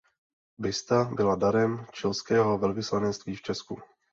Busta byla darem chilského velvyslanectví v Česku.